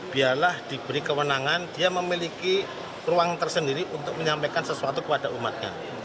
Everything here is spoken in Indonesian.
biarlah diberi kewenangan dia memiliki ruang tersendiri untuk menyampaikan sesuatu kepada umatnya